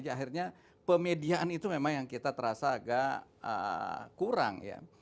akhirnya pemediaan itu memang yang kita terasa agak kurang ya